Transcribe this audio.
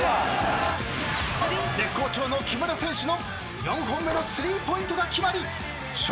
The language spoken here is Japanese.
絶好調の木村選手の４本目のスリーポイントが決まり笑